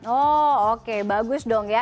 oh oke bagus dong ya